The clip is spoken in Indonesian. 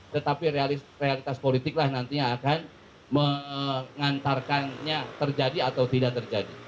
tetapi realitas politiklah nantinya akan mengantarkannya terjadi atau tidak terjadi